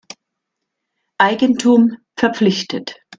Eigentum verpflichtet.